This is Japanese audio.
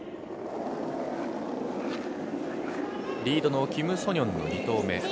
リードのキム・ソニョンの２投目。